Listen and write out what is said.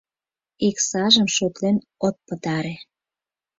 Иксажым шотлен от пытаре.